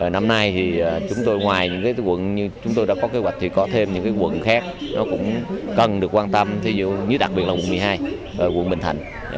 năm nay thì chúng tôi ngoài những quận như chúng tôi đã có kế hoạch thì có thêm những quận khác cũng cần được quan tâm thí dụ như đặc biệt là quận một mươi hai quận bình thạnh